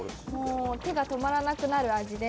手が止まらなくなる味で。